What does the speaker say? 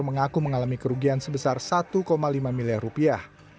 mengaku mengalami kerugian sebesar satu lima miliar rupiah